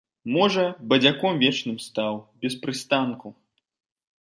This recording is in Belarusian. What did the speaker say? Можа, бадзяком вечным стаў, без прыстанку.